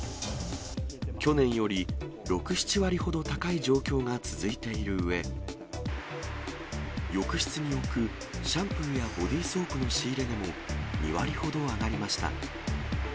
去年より６、７割ほど高い状況が続いているうえ、浴室に置くシャンプーやボディーソープの仕入れ値も２割ほど上がりました。